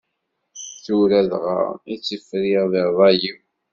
Tura dɣa i-tt friɣ di ṛṛay-iw.